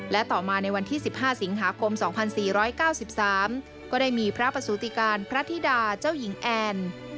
และต่อมาในวันที่๑๕สิงหาคม๒๔๙๓ก็ได้มีพระประสูติการพระธิดาเจ้าหญิงแอน